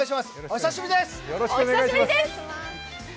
お久しぶりです！